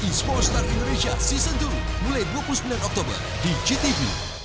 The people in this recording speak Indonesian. esports star indonesia season dua mulai dua puluh sembilan oktober di gtv